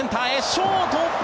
ショート！